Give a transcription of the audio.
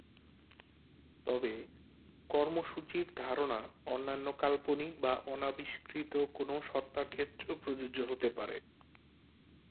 তবে "কর্মসূচি"র ধারণা অন্যান্য কাল্পনিক বা অনাবিষ্কৃত কোনও সত্তার ক্ষেত্রেও প্রযোজ্য হতে পারে।